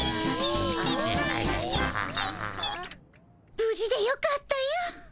無事でよかったよ。